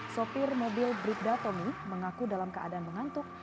sopir mobil bribda tommy mengaku dalam keadaan mengantuk